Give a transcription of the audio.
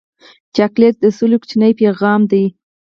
چاکلېټ د سولې کوچنی پیغام دی.